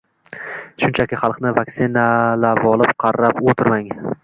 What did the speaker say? Shunchaki xalqni vaksinalavolib qarab o' tirmang